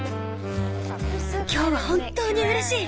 今日は本当にうれしい！